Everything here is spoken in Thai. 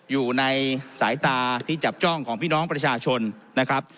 อยู่ในสายตาที่จับจ้องของพี่น้องประชาชนนะครับ